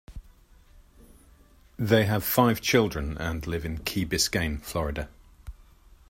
They have five children and live in Key Biscayne, Florida.